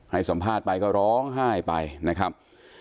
ให้สัมภาษณ์ไปก็ร้องไห้ไปนะครับ